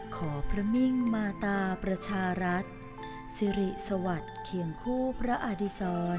ขอพระมิ่งมาตาประชารัฐสิริสวัสดิ์เคียงคู่พระอดิษร